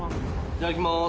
いただきます。